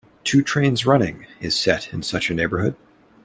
"Two Trains Running" is set in such a neighborhood.